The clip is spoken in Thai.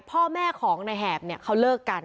พ่อแม่ของนายแหบเนี่ยเขาเลิกกัน